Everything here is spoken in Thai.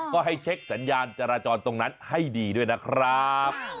ก็ให้เช็คสัญญาณจราจรตรงนั้นให้ดีด้วยนะครับ